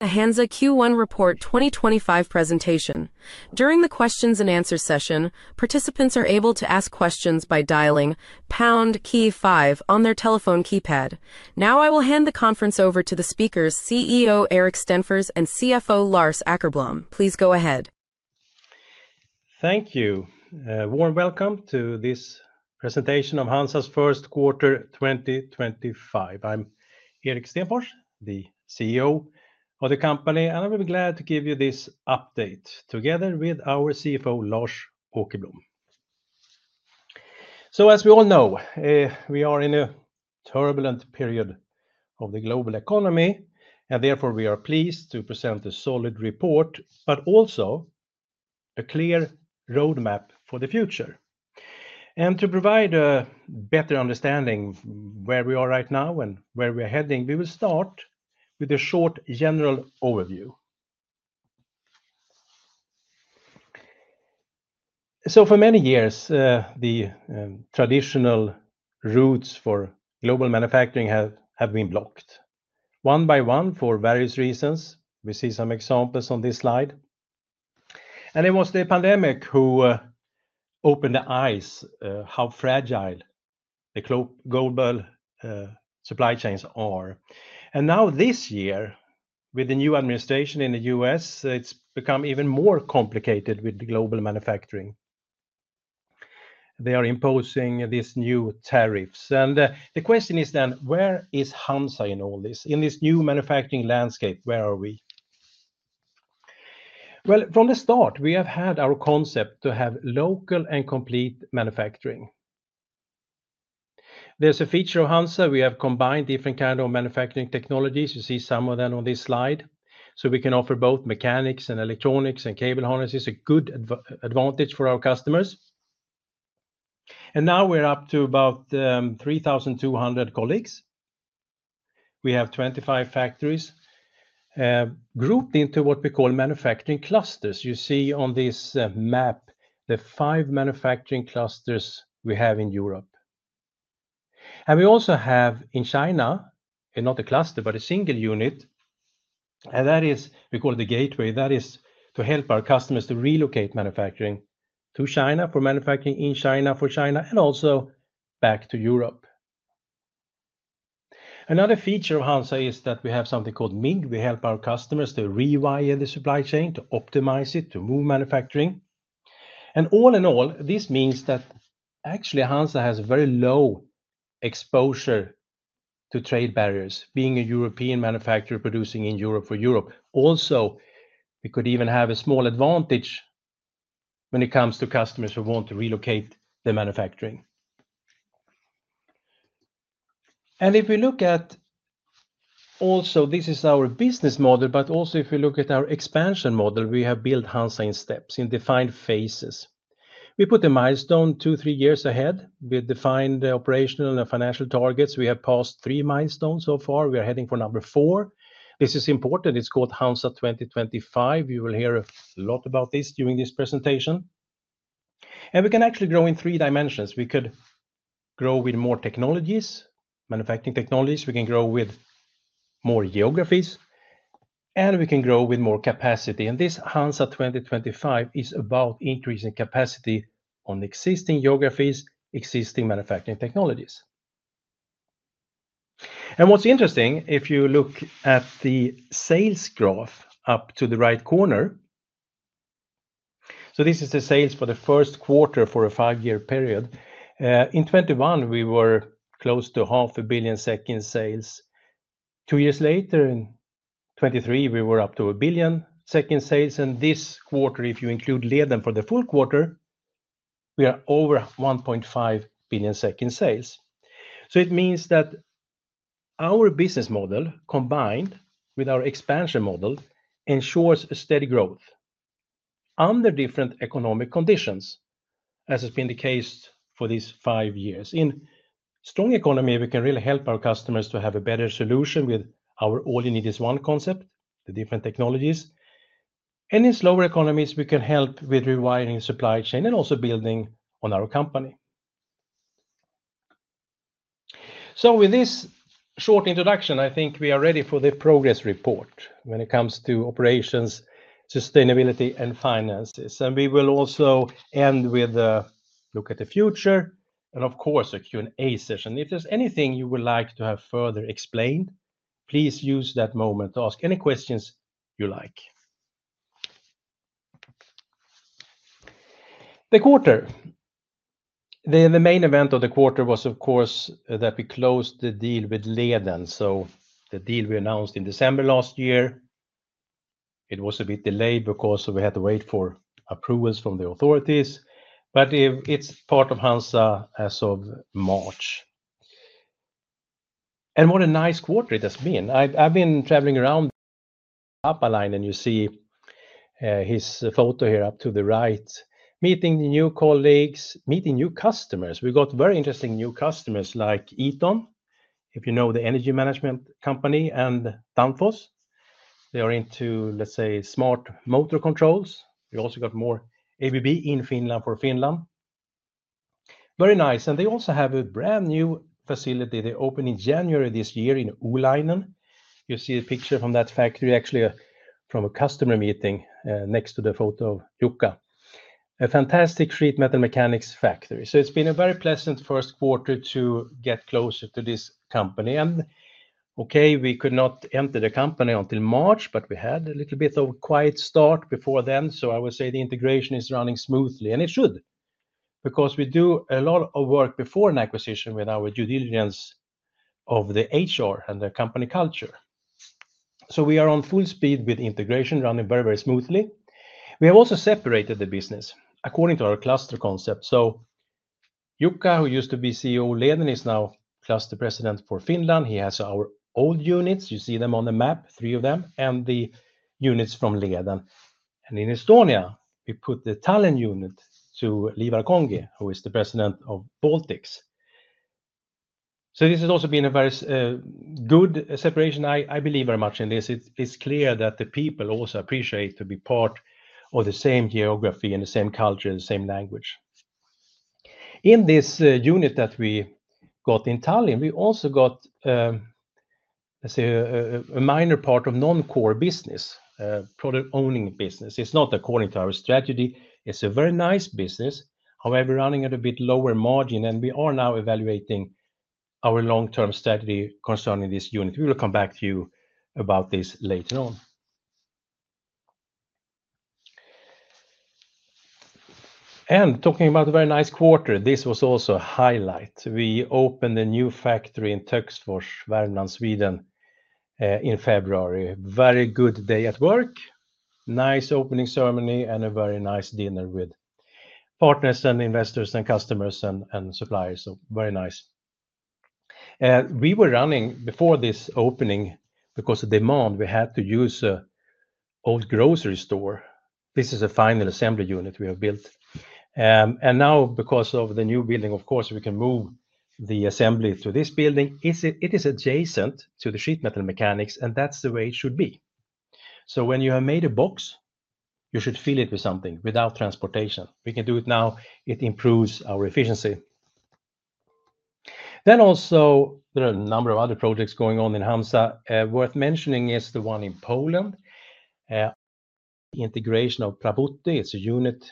The HANZA Q1 Report 2025 presentation. During the Q&A session, participants are able to ask questions by dialing pound 5 on their telephone keypad. Now I will hand the conference over to the speakers, CEO Erik Stenfors and CFO Lars Åkerblom. Please go ahead. Thank you, warm welcome to this presentation of HANZA's first quarter 2025. I'm Erik Stenfors, the CEO of the company, and I'll be glad to give you this update together with our CFO, Lars Åkerblom. As we all know, we are in a turbulent period of the global economy, and therefore we are pleased to present a solid report, but also a clear roadmap for the future. To provide a better understanding of where we are right now and where we are heading, we will start with a short general overview. For many years, the traditional routes for global manufacturing have been blocked, one by one, for various reasons. We see some examples on this slide. It was the pandemic who opened the eyes on how fragile the global supply chains are. Now, this year, with the new administration in the U.S., it's become even more complicated with global manufacturing. They are imposing these new tariffs. The question is then, where is HANZA in all this? In this new manufacturing landscape, where are we? From the start, we have had our concept to have local and complete manufacturing. There's a feature of HANZA: we have combined different kinds of manufacturing technologies. You see some of them on this slide. We can offer both mechanics and electronics and cable harnesses—a good advantage for our customers. Now we're up to about 3,200 colleagues. We have 25 factories grouped into what we call manufacturing clusters. You see on this map the five manufacturing clusters we have in Europe. We also have in China—not a cluster, but a single unit—and that is, we call it the gateway. That is to help our customers to relocate manufacturing to China for manufacturing in China for China, and also back to Europe. Another feature of HANZA is that we have something called MIG. We help our customers to rewire the supply chain, to optimize it, to move manufacturing. All in all, this means that actually HANZA has a very low exposure to trade barriers, being a European manufacturer producing in Europe for Europe. We could even have a small advantage when it comes to customers who want to relocate their manufacturing. If we look at—also, this is our business model, but also if we look at our expansion model, we have built HANZA in steps, in defined phases. We put a milestone two, three years ahead. We have defined operational and financial targets. We have passed three milestones so far. We are heading for number four. This is important. It's called HANZA 2025. You will hear a lot about this during this presentation. We can actually grow in three dimensions. We could grow with more technologies, manufacturing technologies. We can grow with more geographies, and we can grow with more capacity. This HANZA 2025 is about increasing capacity on existing geographies, existing manufacturing technologies. What's interesting, if you look at the sales graph up to the right corner—this is the sales for the first quarter for a five-year period. In 2021, we were close to 0.5 Billion sales. Two years later, in 2023, we were up to a Billion sales. This quarter, if you include LEDEN for the full quarter, we are over 1.5 Billion sales. It means that our business model, combined with our expansion model, ensures steady growth under different economic conditions, as has been the case for these five years. In strong economies, we can really help our customers to have a better solution with our all-in-one concept, the different technologies. In slower economies, we can help with rewiring the supply chain and also building on our company. With this short introduction, I think we are ready for the progress report when it comes to operations, sustainability, and finances. We will also end with a look at the future and, of course, a Q&A session. If there is anything you would like to have further explained, please use that moment to ask any questions you like. The quarter. The main event of the quarter was, of course, that we closed the deal with LEDEN. The deal we announced in December last year, it was a bit delayed because we had to wait for approvals from the authorities. It is part of HANZA as of March. What a nice quarter it has been. I have been traveling around Apaline, and you see his photo here up to the right, meeting new colleagues, meeting new customers. We got very interesting new customers like Eaton, if you know the energy management company, and Danfoss. They are into, let's say, smart motor controls. We also got more ABB in Finland for Finland. Very nice. They also have a brand new facility they opened in January this year in Uulainen. You see a picture from that factory, actually from a customer meeting next to the photo of Jukka. A fantastic sheet metal mechanics factory. It's been a very pleasant first quarter to get closer to this company. Okay, we could not enter the company until March, but we had a little bit of a quiet start before then. I would say the integration is running smoothly, and it should, because we do a lot of work before an acquisition with our due diligence of the HR and the company culture. We are on full speed with integration, running very, very smoothly. We have also separated the business according to our cluster concept. Jukka, who used to be CEO of LEDEN, is now Cluster President for Finland. He has our old units. You see them on the map, three of them, and the units from LEDEN. In Estonia, we put the Tallinn unit to Liiva Kongi, who is the President of Baltics. This has also been a very good separation. I believe very much in this. It's clear that the people also appreciate to be part of the same geography and the same culture and the same language. In this unit that we got in Tallinn, we also got, let's say, a minor part of non-core business, product-owning business. It's not according to our strategy. It's a very nice business, however, running at a bit lower margin, and we are now evaluating our long-term strategy concerning this unit. We will come back to you about this later on. Talking about a very nice quarter, this was also a highlight. We opened a new factory in Töksfors, Värmland, Sweden, in February. Very good day at work, nice opening ceremony, and a very nice dinner with partners and investors and customers and suppliers. Very nice. We were running before this opening because of demand. We had to use an old grocery store. This is a final assembly unit we have built. Now, because of the new building, of course, we can move the assembly to this building. It is adjacent to the sheet metal mechanics, and that's the way it should be. When you have made a box, you should fill it with something without transportation. We can do it now. It improves our efficiency. There are a number of other projects going on in HANZA. Worth mentioning is the one in Poland, the integration of Prabotti. It's a unit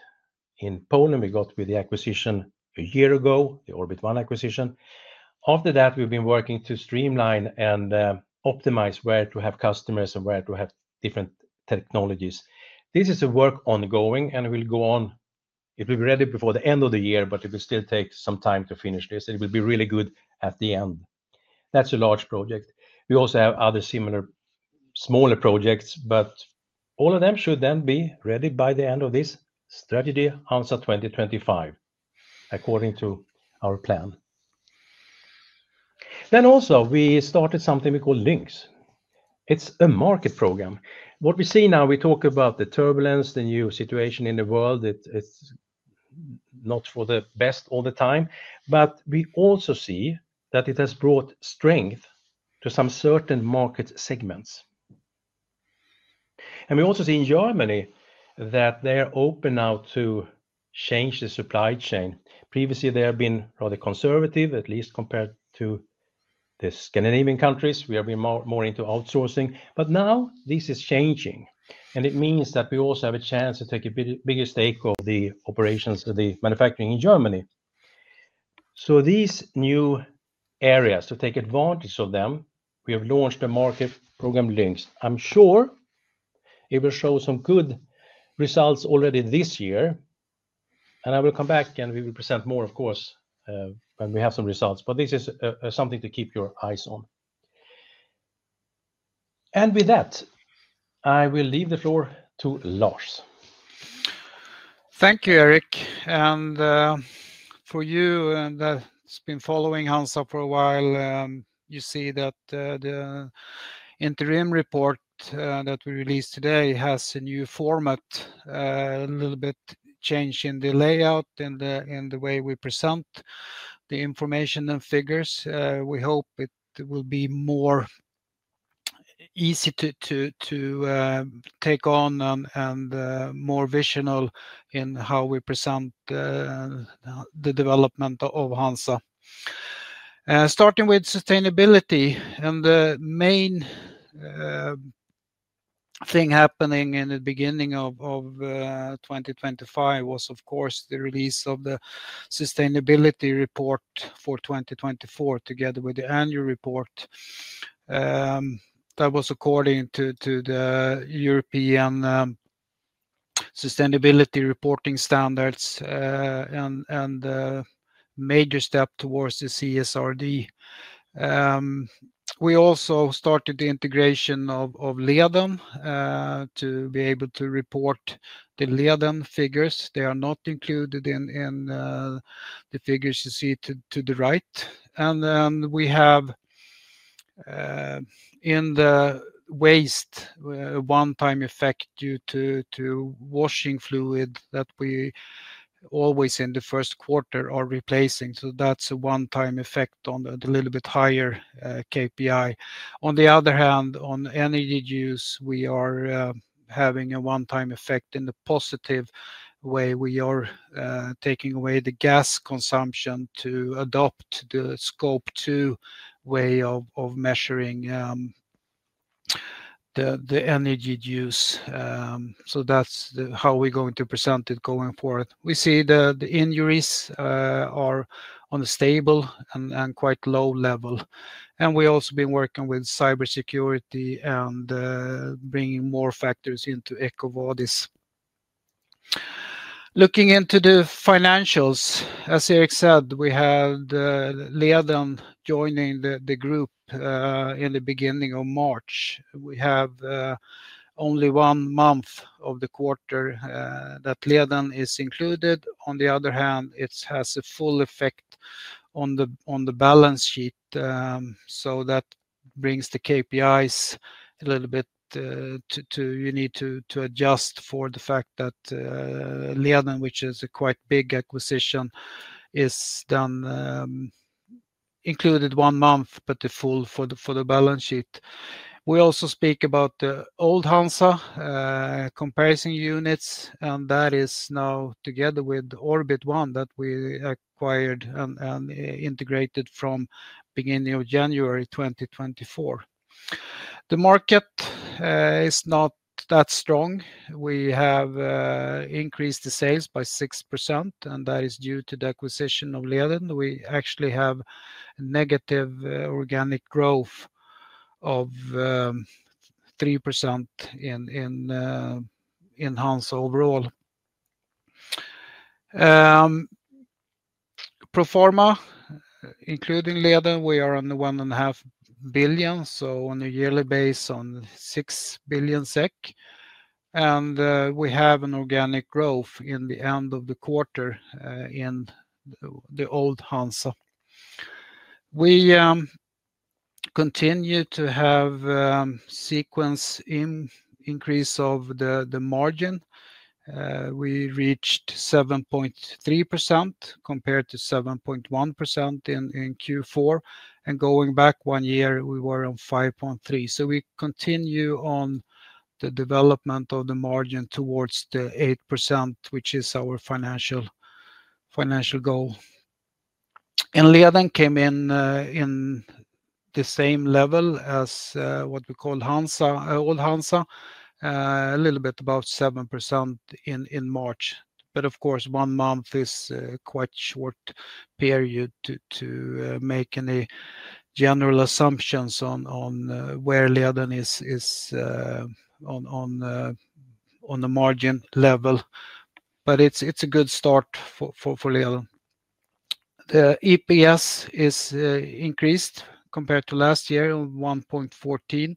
in Poland we got with the acquisition a year ago, the Orbit One acquisition. After that, we've been working to streamline and optimize where to have customers and where to have different technologies. This is a work ongoing, and we'll go on. It will be ready before the end of the year, but it will still take some time to finish this, and it will be really good at the end. That's a large project. We also have other similar smaller projects, but all of them should then be ready by the end of this strategy, HANZA 2025, according to our plan. We started something we call LINX. It's a market program. What we see now, we talk about the turbulence, the new situation in the world. It's not for the best all the time, but we also see that it has brought strength to some certain market segments. We also see in Germany that they are open now to change the supply chain. Previously, they have been rather conservative, at least compared to the Scandinavian countries. We have been more into outsourcing. Now this is changing, and it means that we also have a chance to take a bigger stake of the operations, the manufacturing in Germany. These new areas, to take advantage of them, we have launched a market program, LINX. I'm sure it will show some good results already this year, and I will come back and we will present more, of course, when we have some results. This is something to keep your eyes on. With that, I will leave the floor to Lars. Thank you, Erik. For you that's been following HANZA for a while, you see that the interim report that we released today has a new format, a little bit changed in the layout and the way we present the information and figures. We hope it will be more easy to take on and more visual in how we present the development of HANZA. Starting with sustainability, the main thing happening in the beginning of 2025 was, of course, the release of the sustainability report for 2024, together with the annual report. That was according to the European sustainability reporting standards and a major step towards the CSRD. We also started the integration of LEDEN to be able to report the LEDEN figures. They are not included in the figures you see to the right. We have in the waste a one-time effect due to washing fluid that we always in the first quarter are replacing. That is a one-time effect on a little bit higher KPI. On the other hand, on energy use, we are having a one-time effect in a positive way. We are taking away the gas consumption to adopt the scope two way of measuring the energy use. That is how we are going to present it going forward. We see the injuries are on a stable and quite low level. We have also been working with cybersecurity and bringing more factors into EcoVadis. Looking into the financials, as Erik said, we had LEDEN joining the group in the beginning of March. We have only one month of the quarter that LEDEN is included. On the other hand, it has a full effect on the balance sheet. That brings the KPIs a little bit to you need to adjust for the fact that LEDEN, which is a quite big acquisition, is then included one month, but the full for the balance sheet. We also speak about the old HANZA comparison units, and that is now together with Orbit One that we acquired and integrated from beginning of January 2024. The market is not that strong. We have increased the sales by 6%, and that is due to the acquisition of LEDEN. We actually have negative organic growth of 3% in HANZA overall. ProPharma, including LEDEN, we are on 1.5 billion, so on a yearly base on 6 billion SEK. We have an organic growth in the end of the quarter in the old HANZA. We continue to have sequence increase of the margin. We reached 7.3% compared to 7.1% in Q4. Going back one year, we were on 5.3%. We continue on the development of the margin towards the 8%, which is our financial goal. LEDEN came in the same level as what we call HANZA, old HANZA, a little bit above 7% in March. Of course, one month is quite a short period to make any general assumptions on where LEDEN is on the margin level. It is a good start for LEDEN. The EPS is increased compared to last year on 1.14%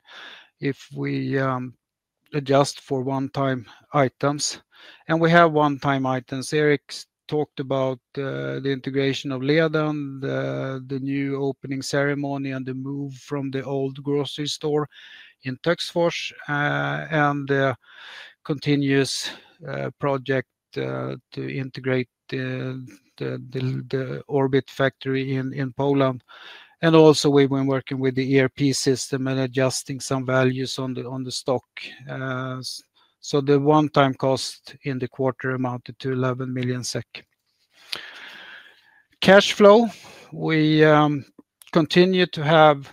if we adjust for one-time items. We have one-time items. Erik talked about the integration of LEDEN, the new opening ceremony, the move from the old grocery store in Töksfors, and the continuous project to integrate the Orbit factory in Poland. We have also been working with the ERP system and adjusting some values on the stock. The one-time cost in the quarter amounted to 11 million SEK. Cash flow, we continue to have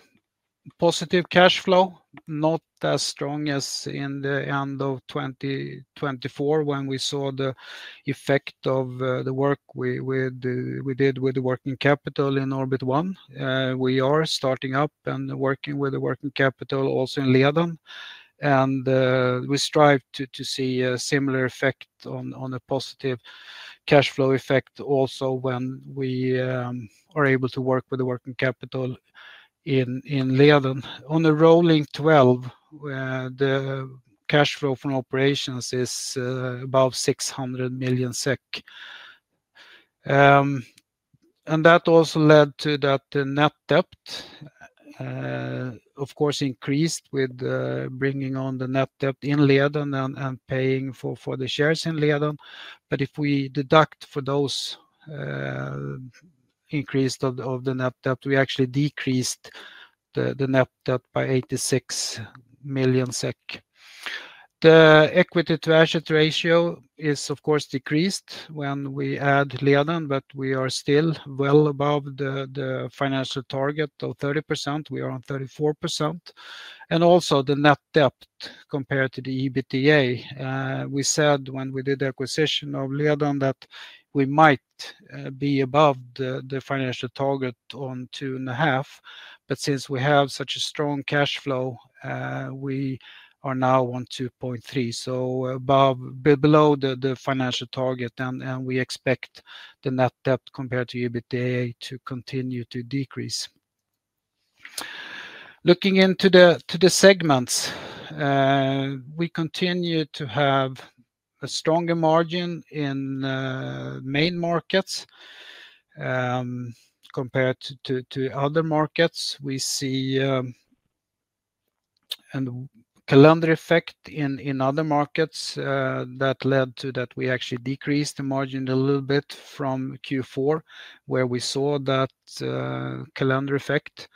positive cash flow, not as strong as in the end of 2024 when we saw the effect of the work we did with the working capital in Orbit One. We are starting up and working with the working capital also in LEDEN. We strive to see a similar effect on a positive cash flow effect also when we are able to work with the working capital in LEDEN. On the rolling 12, the cash flow from operations is about SEK 600 million. That also led to net debt, of course, increasing with bringing on the net debt in LEDEN and paying for the shares in LEDEN. If we deduct for those increases of the net debt, we actually decreased the net debt by 86 million SEK. The equity-to-asset ratio is, of course, decreased when we add LEDEN, but we are still well above the financial target of 30%. We are on 34%. Also the net debt compared to the EBITDA. We said when we did the acquisition of LEDEN that we might be above the financial target on 2.5%. Since we have such a strong cash flow, we are now on 2.3%. Below the financial target, and we expect the net debt compared to EBITDA to continue to decrease. Looking into the segments, we continue to have a stronger margin in main markets compared to other markets. We see a calendar effect in other markets that led to that we actually decreased the margin a little bit from Q4, where we saw that calendar effect.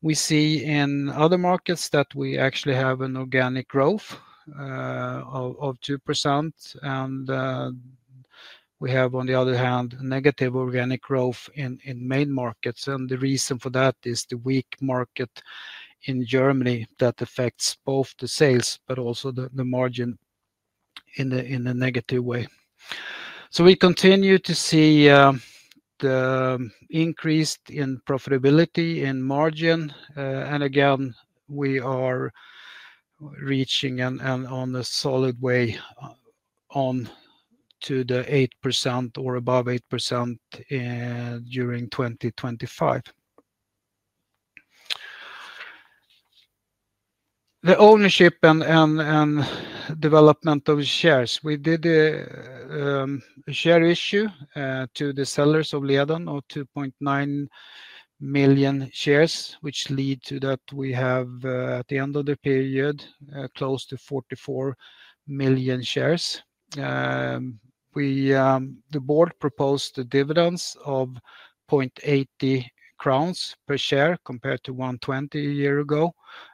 We see in other markets that we actually have an organic growth of 2%. We have, on the other hand, negative organic growth in main markets. The reason for that is the weak market in Germany that affects both the sales, but also the margin in a negative way. We continue to see the increase in profitability in margin. Again, we are reaching on a solid way on to the 8% or above 8% during 2025. The ownership and development of shares. We did a share issue to the sellers of LEDEN of 2.9 million shares, which led to that we have at the end of the period close to 44 million shares. The board proposed dividends of 0.80 crowns per share compared to 1.20 million a year ago.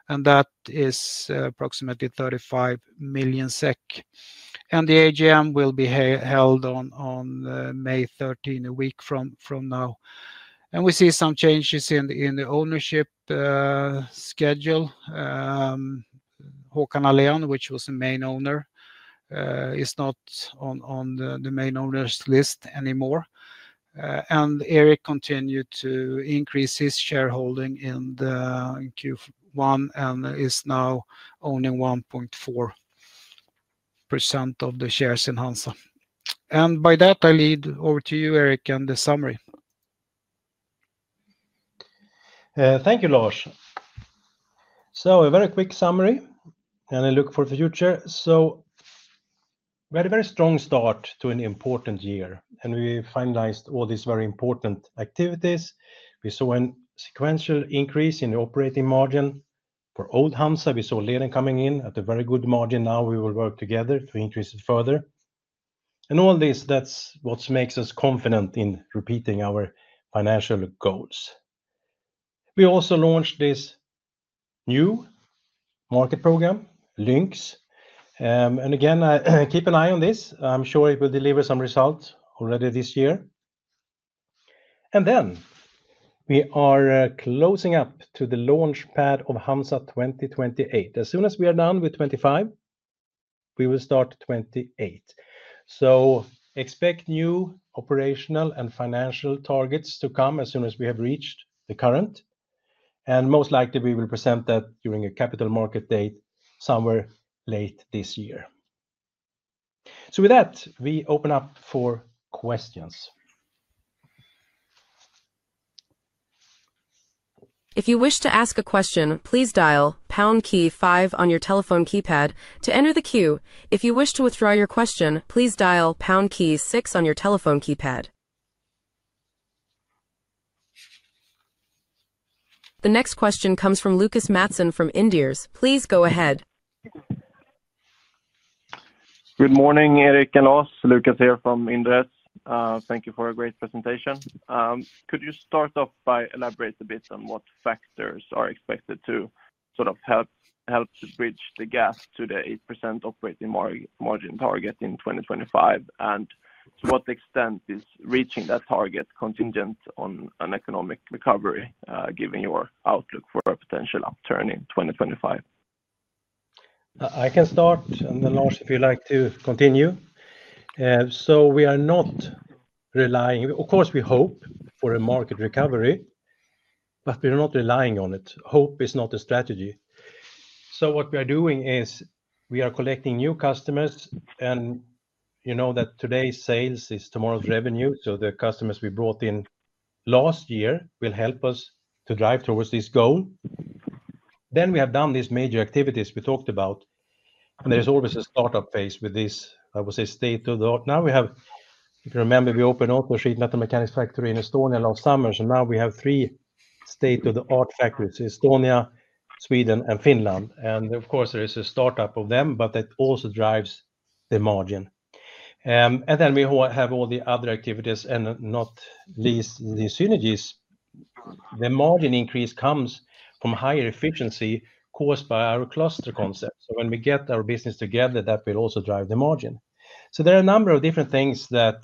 That is approximately 35 million SEK. The AGM will be held on May 13, a week from now. We see some changes in the ownership schedule. Håkan Aleen, which was the main owner, is not on the main owners list anymore. Erik continued to increase his shareholding in Q1 and is now owning 1.4% of the shares in HANZA. By that, I lead over to you, Erik, and the summary. Thank you, Lars. A very quick summary, and I look forward to the future. Very, very strong start to an important year. We finalized all these very important activities. We saw a sequential increase in the operating margin. For old HANZA, we saw LEDEN coming in at a very good margin. Now we will work together to increase it further. All this, that's what makes us confident in repeating our financial goals. We also launched this new market program, LINX. Again, keep an eye on this. I'm sure it will deliver some results already this year. We are closing up to the launch pad of HANZA 2028. As soon as we are done with 2025, we will start 2028. Expect new operational and financial targets to come as soon as we have reached the current. Most likely, we will present that during a capital market date somewhere late this year. With that, we open up for questions. If you wish to ask a question, please dial pound key five on your telephone keypad to enter the queue. If you wish to withdraw your question, please dial pound key six on your telephone keypad. The next question comes from Lucas Mattsson from Inderes. Please go ahead. Good morning, Erik and Lars. Lucas here from Inderes. Thank you for a great presentation. Could you start off by elaborating a bit on what factors are expected to sort of help to bridge the gap to the 8% operating margin target in 2025? To what extent is reaching that target contingent on an economic recovery, given your outlook for a potential upturn in 2025? I can start, and then Lars, if you'd like to continue. We are not relying—of course, we hope for a market recovery, but we are not relying on it. Hope is not a strategy. What we are doing is we are collecting new customers, and you know that today's sales is tomorrow's revenue. The customers we brought in last year will help us to drive towards this goal. We have done these major activities we talked about. There is always a startup phase with this, I would say, state of the art. If you remember, we opened also a sheet metal mechanics factory in Estonia last summer. Now we have three state-of-the-art factories: Estonia, Sweden, and Finland. Of course, there is a startup of them, but that also drives the margin. We have all the other activities, and not least the synergies. The margin increase comes from higher efficiency caused by our cluster concept. When we get our business together, that will also drive the margin. There are a number of different things that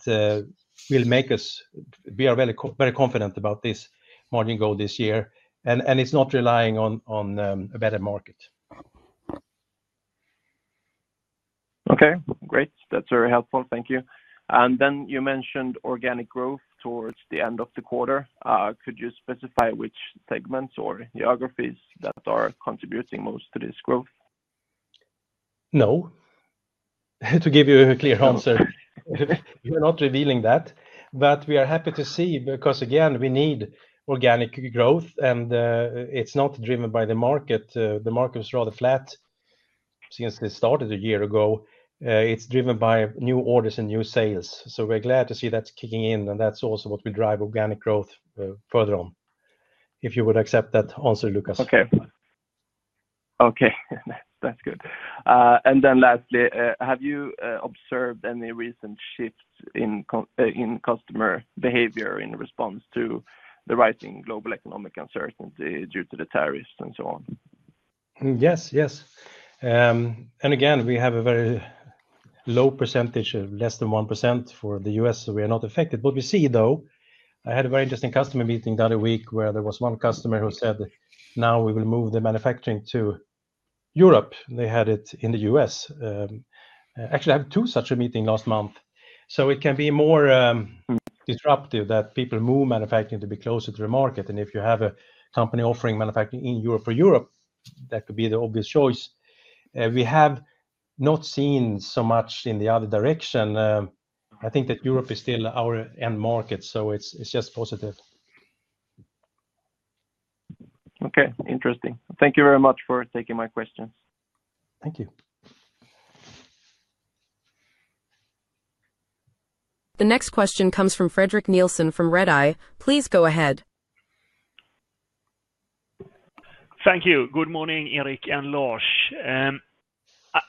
will make us—we are very confident about this margin goal this year. It is not relying on a better market. Okay, great. That's very helpful. Thank you. You mentioned organic growth towards the end of the quarter. Could you specify which segments or geographies that are contributing most to this growth? No. To give you a clear answer, we're not revealing that. We are happy to see because, again, we need organic growth, and it's not driven by the market. The market was rather flat since it started a year ago. It's driven by new orders and new sales. We are glad to see that's kicking in, and that's also what will drive organic growth further on. If you would accept that answer, Lucas. Okay. Okay, that's good. Lastly, have you observed any recent shifts in customer behavior in response to the rising global economic uncertainty due to the tariffs and so on? Yes, yes. Again, we have a very low percentage, less than 1% for the US, so we are not affected. What we see, though, I had a very interesting customer meeting the other week where there was one customer who said, "Now we will move the manufacturing to Europe." They had it in the US. Actually, I had two such a meeting last month. It can be more disruptive that people move manufacturing to be closer to the market. If you have a company offering manufacturing in Europe for Europe, that could be the obvious choice. We have not seen so much in the other direction. I think that Europe is still our end market, so it's just positive. Okay, interesting. Thank you very much for taking my questions. Thank you. The next question comes from Fredrik Nielsen from Redeye. Please go ahead. Thank you. Good morning, Erik and Lars.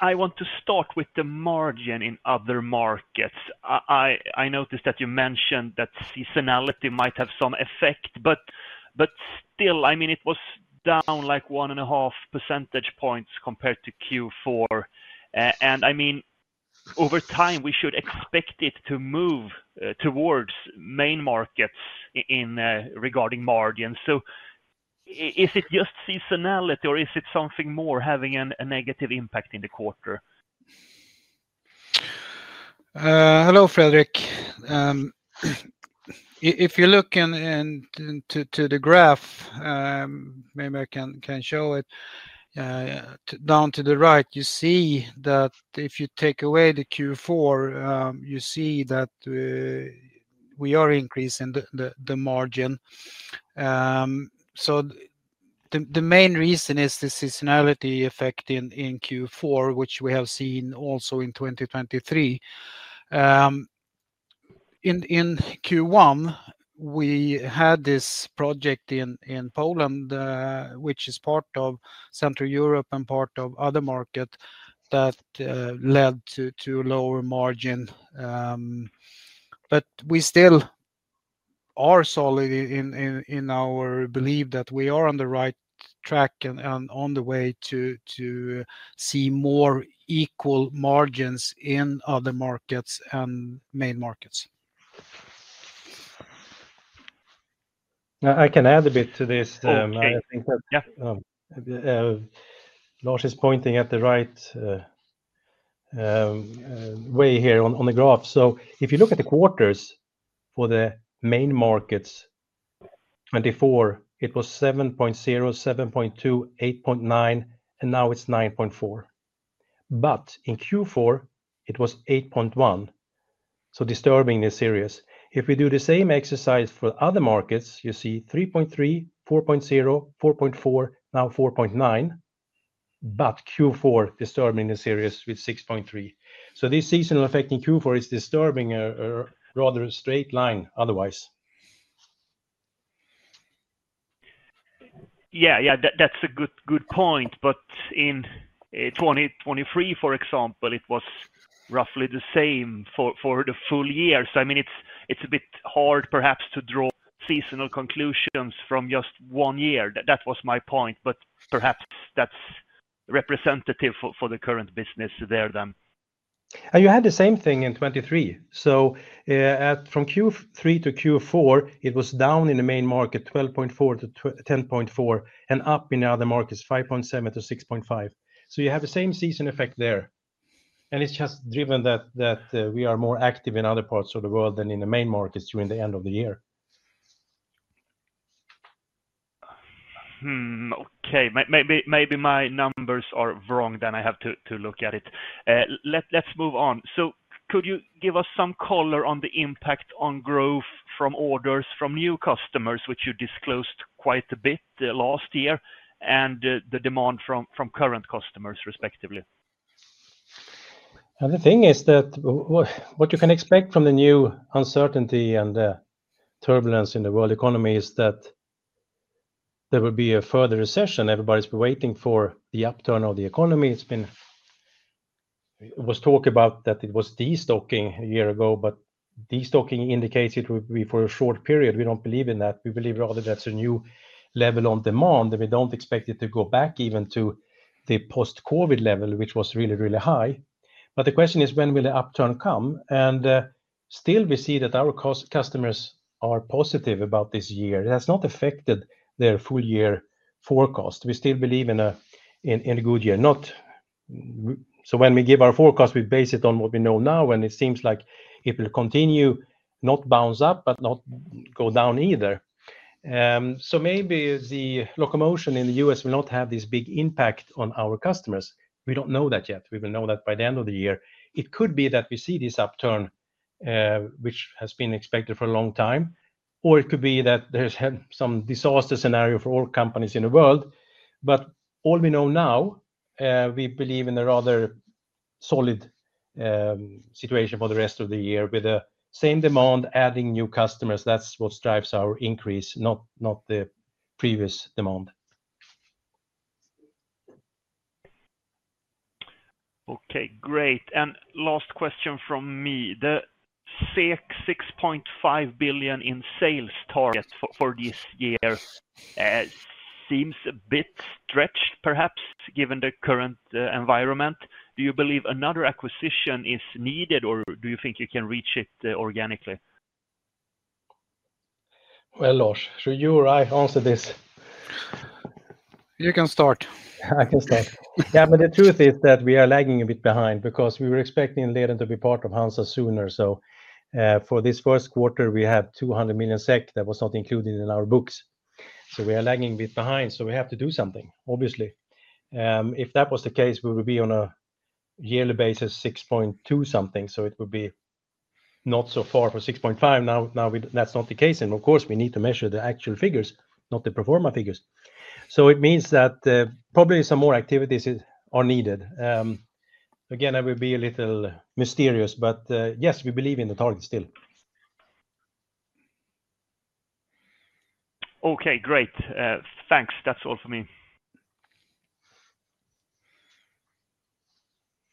I want to start with the margin in other markets. I noticed that you mentioned that seasonality might have some effect, but still, I mean, it was down like one and a half percentage points compared to Q4. I mean, over time, we should expect it to move towards main markets regarding margin. Is it just seasonality, or is it something more having a negative impact in the quarter? Hello, Fredrik. If you're looking to the graph, maybe I can show it. Down to the right, you see that if you take away the Q4, you see that we are increasing the margin. The main reason is the seasonality effect in Q4, which we have seen also in 2023. In Q1, we had this project in Poland, which is part of Central Europe and part of other markets that led to lower margin. We still are solid in our belief that we are on the right track and on the way to see more equal margins in other markets and main markets. I can add a bit to this. Lars is pointing at the right way here on the graph. If you look at the quarters for the main markets, 2024, it was 7.0/7.2/8.9 and now it is 9.4. In Q4, it was 8.1. Disturbingly serious. If we do the same exercise for other markets, you see 3.3, 4.0, 4.4, now 4.9, but Q4 disturbingly serious with 6.3. This seasonal effect in Q4 is disturbing a rather straight line otherwise. Yeah, yeah, that's a good point. In 2023, for example, it was roughly the same for the full year. I mean, it's a bit hard perhaps to draw seasonal conclusions from just one year. That was my point, but perhaps that's representative for the current business there then. You had the same thing in 2023. From Q3 to Q4, it was down in the main market 12.4 million to 10.4 million and up in the other markets 5.7 million to 6.5 million. You have the same seasonal effect there. It is just driven that we are more active in other parts of the world than in the main markets during the end of the year. Okay, maybe my numbers are wrong. I have to look at it. Let's move on. Could you give us some color on the impact on growth from orders from new customers, which you disclosed quite a bit last year, and the demand from current customers respectively? The thing is that what you can expect from the new uncertainty and turbulence in the world economy is that there will be a further recession. Everybody's been waiting for the upturn of the economy. It was talked about that it was destocking a year ago, but destocking indicates it will be for a short period. We do not believe in that. We believe rather that is a new level of demand, and we do not expect it to go back even to the post-COVID level, which was really, really high. The question is, when will the upturn come? Still, we see that our customers are positive about this year. That has not affected their full-year forecast. We still believe in a good year. When we give our forecast, we base it on what we know now, and it seems like it will continue, not bounce up, but not go down either. Maybe the locomotion in the US will not have this big impact on our customers. We do not know that yet. We will know that by the end of the year. It could be that we see this upturn, which has been expected for a long time, or it could be that there is some disaster scenario for all companies in the world. All we know now, we believe in a rather solid situation for the rest of the year with the same demand, adding new customers. That is what drives our increase, not the previous demand. Okay, great. Last question from me. The 6.5 billion in sales target for this year seems a bit stretched, perhaps, given the current environment. Do you believe another acquisition is needed, or do you think you can reach it organically? Lars, you're right. Answer this. You can start. I can start. Yeah, but the truth is that we are lagging a bit behind because we were expecting LEDEN to be part of HANZA sooner. For this first quarter, we had 200 million SEK that was not included in our books. We are lagging a bit behind. We have to do something, obviously. If that was the case, we would be on a yearly basis, 6.2 something. It would be not so far from 6.5. Now, that's not the case. Of course, we need to measure the actual figures, not the pro forma figures. It means that probably some more activities are needed. Again, I will be a little mysterious, but yes, we believe in the target still. Okay, great. Thanks. That's all for me.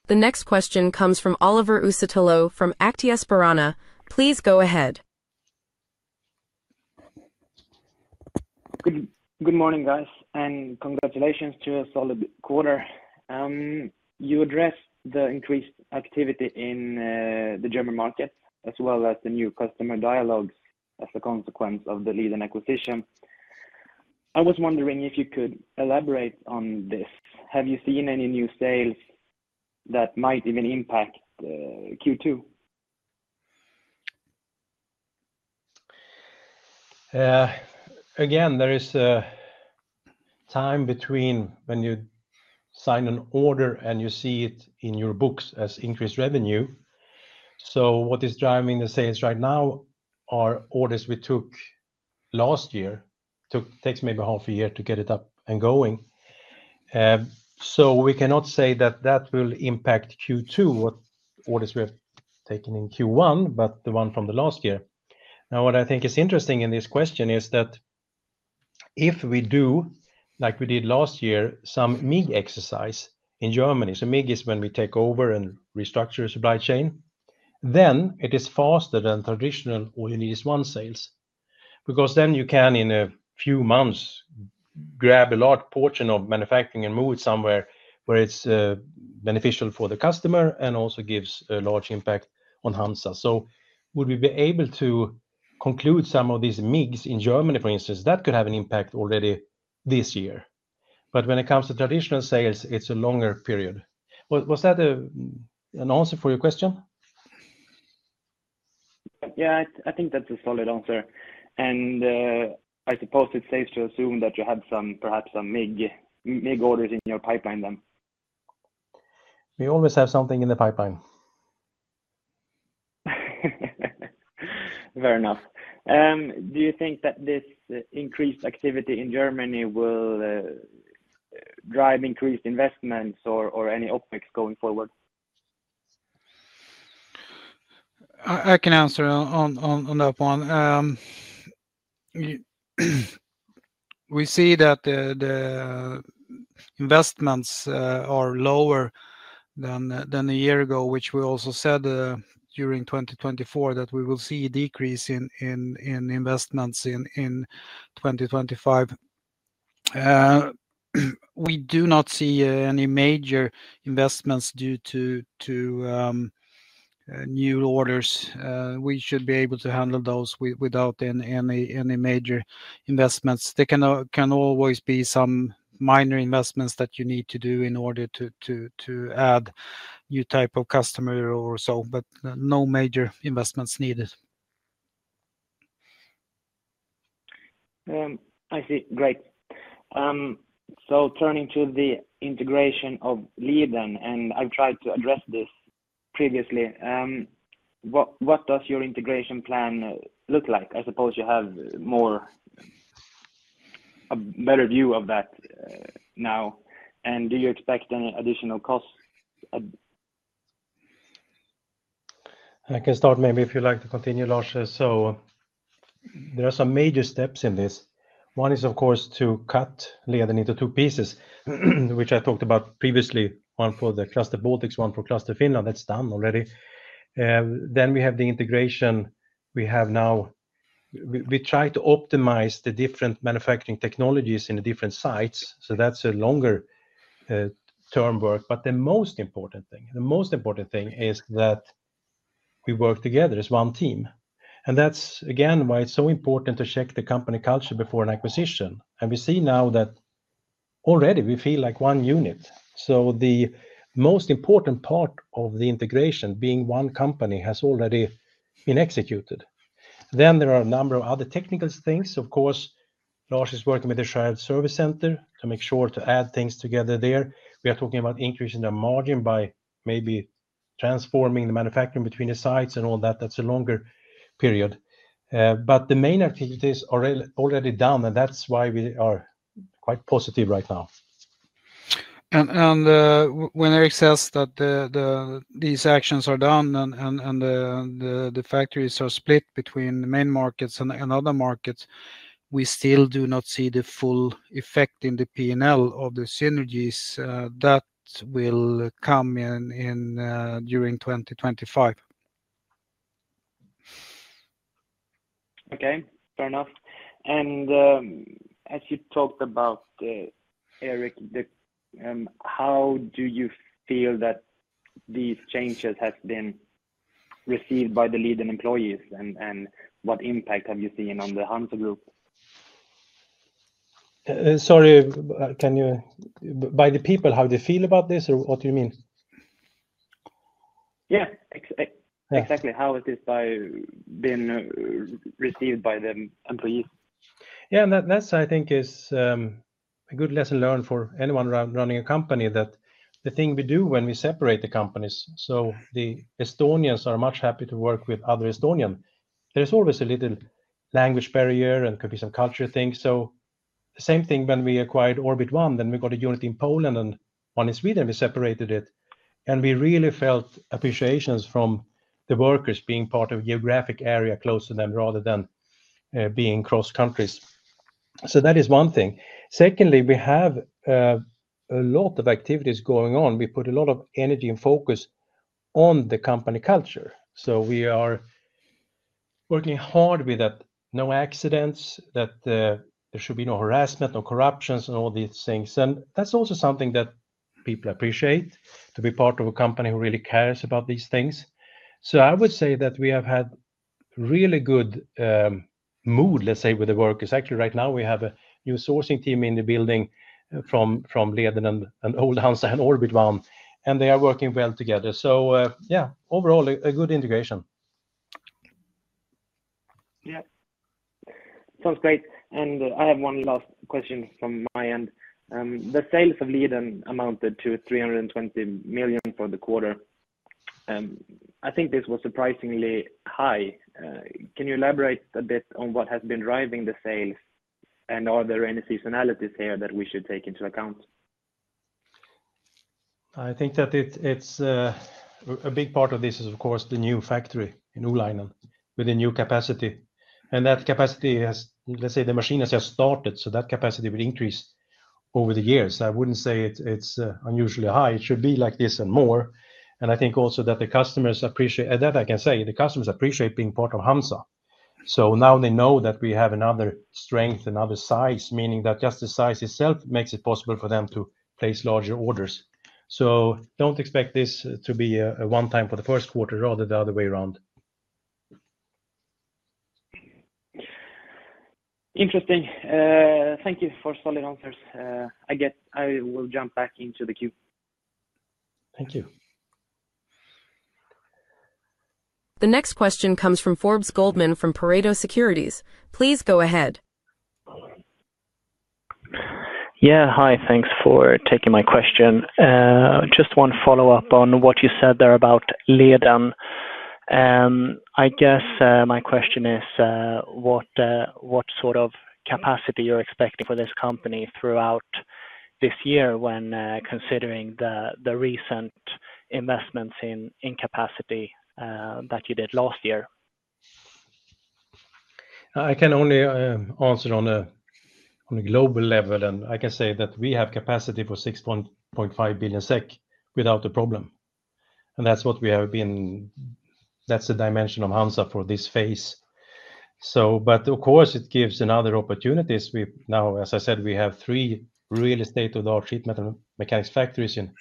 The next question comes from Oliver Ucitolo from Actius Burana. Please go ahead. Good morning, guys, and congratulations to a solid quarter. You addressed the increased activity in the German market as well as the new customer dialogues as a consequence of the LEDEN acquisition. I was wondering if you could elaborate on this. Have you seen any new sales that might even impact Q2? Again, there is a time between when you sign an order and you see it in your books as increased revenue. What is driving the sales right now are orders we took last year. It takes maybe half a year to get it up and going. We cannot say that that will impact Q2, what orders we have taken in Q1, but the one from the last year. Now, what I think is interesting in this question is that if we do, like we did last year, some MIG exercise in Germany—so MIG is when we take over and restructure a supply chain—then it is faster than traditional all-in-one sales. Because then you can, in a few months, grab a large portion of manufacturing and move it somewhere where it's beneficial for the customer and also gives a large impact on HANZA. Would we be able to conclude some of these MIGs in Germany, for instance? That could have an impact already this year. When it comes to traditional sales, it's a longer period. Was that an answer for your question? Yeah, I think that's a solid answer. I suppose it's safe to assume that you had perhaps some MIG orders in your pipeline then. We always have something in the pipeline. Fair enough. Do you think that this increased activity in Germany will drive increased investments or any optics going forward? I can answer on that one. We see that the investments are lower than a year ago, which we also said during 2024 that we will see a decrease in investments in 2025. We do not see any major investments due to new orders. We should be able to handle those without any major investments. There can always be some minor investments that you need to do in order to add a new type of customer or so, but no major investments needed. I see. Great. Turning to the integration of LEDEN, and I've tried to address this previously. What does your integration plan look like? I suppose you have a better view of that now. Do you expect any additional costs? I can start maybe if you'd like to continue, Lars. There are some major steps in this. One is, of course, to cut LEDEN into two pieces, which I talked about previously. One for the Cluster Baltics, one for Cluster Finland. That's done already. We have the integration we have now. We try to optimize the different manufacturing technologies in the different sites. That's a longer-term work. The most important thing, the most important thing is that we work together as one team. That's, again, why it's so important to check the company culture before an acquisition. We see now that already we feel like one unit. The most important part of the integration, being one company, has already been executed. There are a number of other technical things. Of course, Lars is working with the Shred Service Center to make sure to add things together there. We are talking about increasing the margin by maybe transforming the manufacturing between the sites and all that. That is a longer period. The main activities are already done, and that is why we are quite positive right now. When Erik says that these actions are done and the factories are split between main markets and other markets, we still do not see the full effect in the P&L of the synergies that will come in during 2025. Okay, fair enough. As you talked about, Erik, how do you feel that these changes have been received by the LEDEN employees and what impact have you seen on the HANZA group? Sorry, can you, by the people, how they feel about this or what do you mean? Yeah, exactly. How has this been received by the employees? Yeah, that's, I think, a good lesson learned for anyone running a company that the thing we do when we separate the companies. The Estonians are much happier to work with other Estonians. There's always a little language barrier and could be some culture things. The same thing when we acquired Orbit One, then we got a unit in Poland and one in Sweden. We separated it. We really felt appreciation from the workers being part of a geographic area close to them rather than being cross countries. That is one thing. Secondly, we have a lot of activities going on. We put a lot of energy and focus on the company culture. We are working hard with that no accidents, that there should be no harassment, no corruption, and all these things. That is also something that people appreciate, to be part of a company who really cares about these things. I would say that we have had really good mood, let's say, with the workers. Actually, right now, we have a new sourcing team in the building from LEDEN and old HANZA and Orbit One. They are working well together. Overall, a good integration. Yeah, sounds great. I have one last question from my end. The sales of LEDEN amounted to 320 million for the quarter. I think this was surprisingly high. Can you elaborate a bit on what has been driving the sales and are there any seasonalities here that we should take into account? I think that a big part of this is, of course, the new factory in Uulainen, with a new capacity. That capacity has, let's say, the machines have started. That capacity will increase over the years. I wouldn't say it's unusually high. It should be like this and more. I think also that the customers appreciate that, I can say, the customers appreciate being part of HANZA. Now they know that we have another strength, another size, meaning that just the size itself makes it possible for them to place larger orders. Don't expect this to be a one-time for the first quarter, rather the other way around. Interesting. Thank you for solid answers. I guess I will jump back into the queue. Thank you. The next question comes from Forbes Goldman from Pareto Securities. Please go ahead. Yeah, hi. Thanks for taking my question. Just one follow-up on what you said there about LEDEN. I guess my question is what sort of capacity you're expecting for this company throughout this year when considering the recent investments in capacity that you did last year? I can only answer on a global level, and I can say that we have capacity for 6.5 billion SEK without a problem. That is what we have been. That is the dimension of HANZA for this phase. Of course, it gives another opportunity. Now, as I said, we have three real state-of-the-art sheet metal mechanics factories in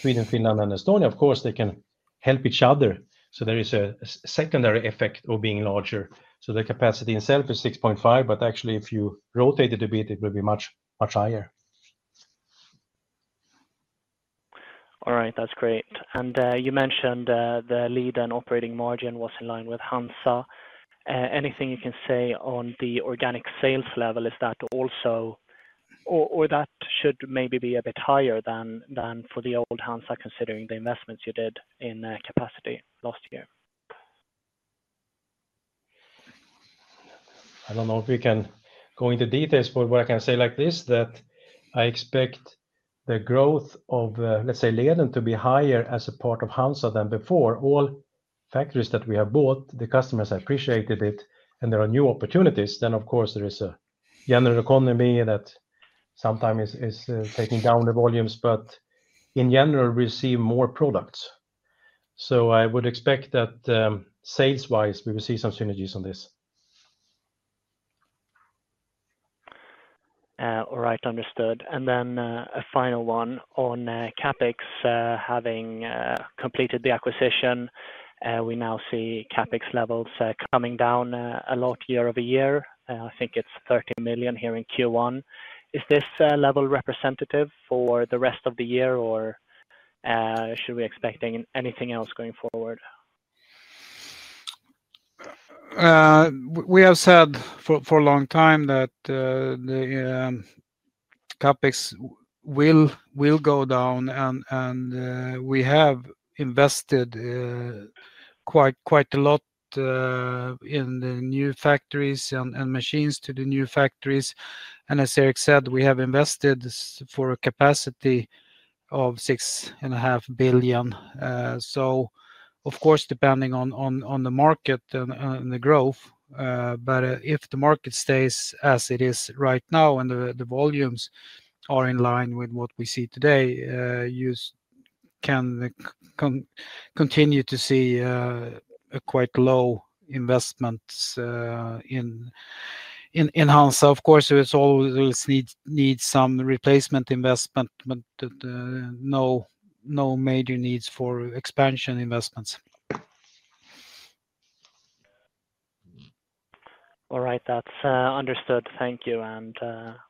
Sweden, Finland, and Estonia. Of course, they can help each other. There is a secondary effect of being larger. The capacity itself is 6.5 billion, but actually, if you rotate it a bit, it will be much, much higher. All right, that's great. You mentioned the LEDEN operating margin was in line with HANZA. Anything you can say on the organic sales level, is that also or that should maybe be a bit higher than for the old HANZA considering the investments you did in capacity last year? I do not know if we can go into details, but what I can say like this is that I expect the growth of, let's say, LEDEN to be higher as a part of HANZA than before. All factories that we have bought, the customers appreciated it, and there are new opportunities. Of course, there is a general economy that sometimes is taking down the volumes, but in general, we receive more products. I would expect that sales-wise, we will see some synergies on this. All right, understood. Then a final one on CapEx, having completed the acquisition. We now see CapEx levels coming down a lot year over year. I think it is 30 million here in Q1. Is this level representative for the rest of the year, or should we expect anything else going forward? We have said for a long time that CapEx will go down, and we have invested quite a lot in the new factories and machines to the new factories. As Erik said, we have invested for a capacity of 6.5 billion. Of course, depending on the market and the growth, but if the market stays as it is right now and the volumes are in line with what we see today, you can continue to see quite low investments in HANZA. Of course, it always needs some replacement investment, but no major needs for expansion investments. All right, that's understood. Thank you.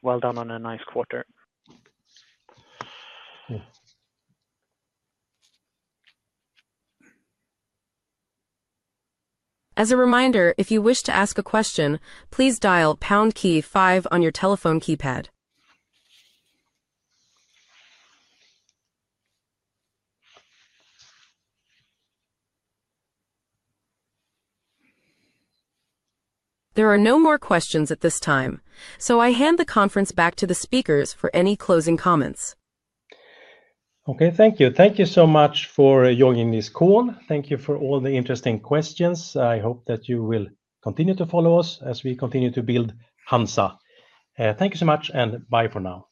Well done on a nice quarter. As a reminder, if you wish to ask a question, please dial pound 5 on your telephone keypad. There are no more questions at this time. I hand the conference back to the speakers for any closing comments. Okay, thank you. Thank you so much for joining this call. Thank you for all the interesting questions. I hope that you will continue to follow us as we continue to build HANZA. Thank you so much and bye for now.